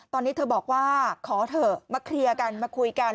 ตอนนี้เธอบอกว่าขอเถอะมาเคลียร์กันมาคุยกัน